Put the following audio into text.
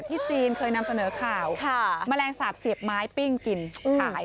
จีนเคยนำเสนอข่าวแมลงสาปเสียบไม้ปิ้งกินขาย